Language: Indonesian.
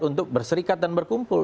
untuk berserikat dan berkumpul